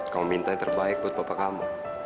kamu minta yang terbaik buat bapak kamu